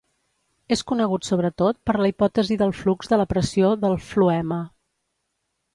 És conegut sobretot per la hipòtesi del flux de la pressió del floema.